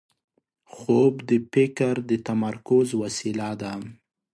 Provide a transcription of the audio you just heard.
خوب د فکر د تمرکز وسیله ده